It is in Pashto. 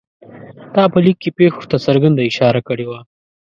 تا په لیک کې پېښو ته څرګنده اشاره کړې وه.